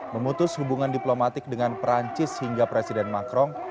memutus hubungan diplomatik dengan perancis hingga presiden macron